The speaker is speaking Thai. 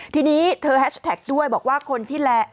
ทีนี้เธอแฮชแท็กด้วยบอกว่า